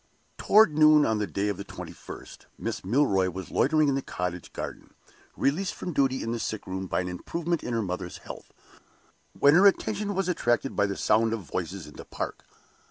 Toward noon on the day of the twenty first, Miss Milroy was loitering in the cottage garden released from duty in the sick room by an improvement in her mother's health when her attention was attracted by the sound of voices in the park.